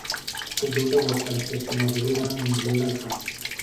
El deu d'agost en Cesc i na Zoè van a Montbrió del Camp.